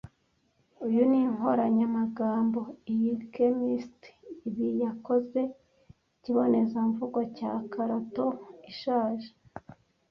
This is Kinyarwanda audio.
Uyu ni inkoranyamagambo, iyi chemiste, ibi yakoze ikibonezamvugo cya karato ishaje,